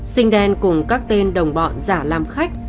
sinh đen cùng các tên đồng bọn giả làm khách